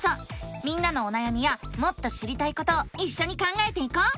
みんなのおなやみやもっと知りたいことをいっしょに考えていこう！